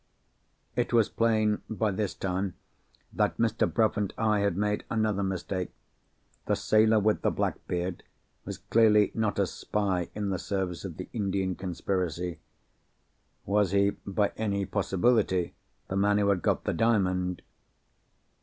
It was plain, by this time, that Mr. Bruff and I had made another mistake. The sailor with the black beard was clearly not a spy in the service of the Indian conspiracy. Was he, by any possibility, the man who had got the Diamond?